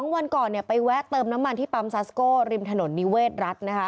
วันก่อนไปแวะเติมน้ำมันที่ปั๊มซาสโก้ริมถนนนิเวศรัฐนะคะ